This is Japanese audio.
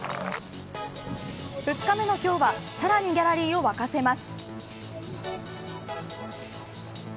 ２日目の今日はさらにギャラリーを沸かせます。